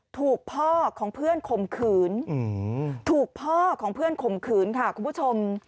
ถูกพ่อของเพื่อนข่มขืนถูกพ่อของเพื่อนข่มขืนค่ะคุณผู้ชม